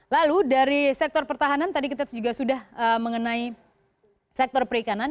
lalu dari sektor pertahanan tadi kita juga sudah mengenai sektor perikanan